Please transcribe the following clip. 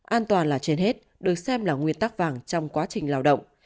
an toàn là trên hết được xem là nguyên tắc vàng trong quá trình lao động